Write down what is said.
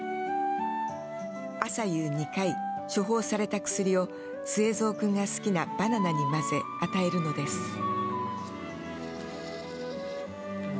朝夕２回、処方された薬をスエゾウ君が好きなバナナに混ぜ与えるのです。